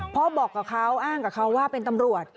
พ่อบอกกับเขาอ้างกับเขาว่าเป็นตำรวจ